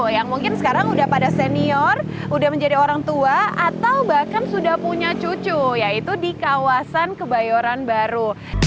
yang mungkin sekarang udah pada senior udah menjadi orang tua atau bahkan sudah punya cucu yaitu di kawasan kebayoran baru